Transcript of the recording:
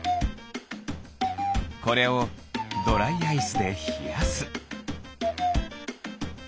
これをドライアイスでひやす。